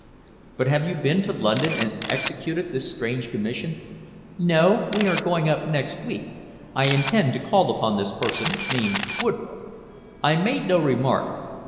"But have you been to London and executed this strange commission?" "No. We are going up next week. I intend to call upon this person named Woodroffe." I made no remark.